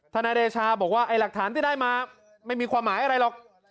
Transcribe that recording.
นายเดชาบอกว่าไอ้หลักฐานที่ได้มาไม่มีความหมายอะไรหรอก